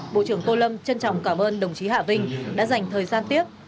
bộ trưởng tô lâm trân trọng cảm ơn đồng chí hạ vinh đã dành thời gian tiếp